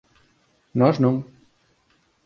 Nós non.